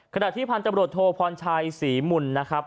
ขณะที่พันธบริโธโภพรชัยศรีมุลนะครับ